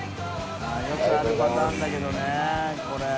茲あるパターンだけどねこれ。